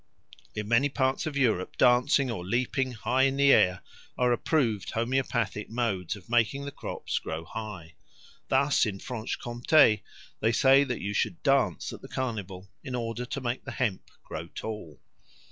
In many parts of Europe dancing or leaping high in the air are approved homoeopathic modes of making the crops grow high. Thus in Franche Comté they say that you should dance at the Carnival in order to make the hemp grow tall.